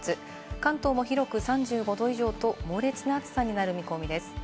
関東も広く３５度以上と猛烈な暑さになる見込みです。